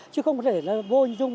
chứ không có thể là vô dung